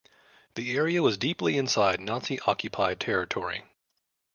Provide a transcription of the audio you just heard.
The area was deeply inside Nazi-occupied territory.